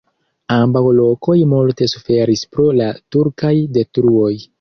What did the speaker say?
Ambaŭ lokoj multe suferis pro la turkaj detruoj.